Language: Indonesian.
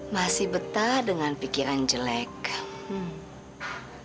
masih betah dengan pikiran jelek